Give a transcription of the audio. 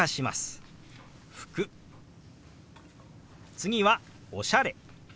次は「おしゃれ」。